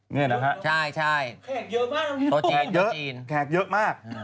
เงินหรอฮะแขกเยอะมากตัวจีนตัวจีนแขกเยอะมาก